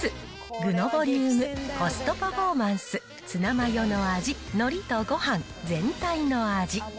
具のボリューム、コストパフォーマンス、ツナマヨの味、のりとごはん、全体の味。